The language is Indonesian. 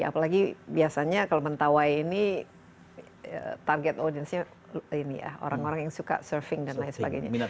apalagi biasanya kalau mentawai ini target audiensnya ini ya orang orang yang suka surfing dan lain sebagainya